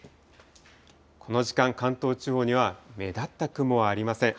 この時間、関東地方には目立った雲はありません。